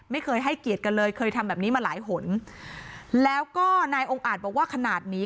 ไม่เคยให้เกียรติกันเลยเคยทำแบบนี้มาหลายหนแล้วก็นายองค์อาจบอกว่าขนาดนี้